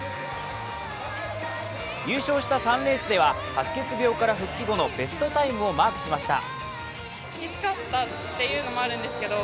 優勝した３レースでは、白血病から復帰後のベストタイムをマークしました。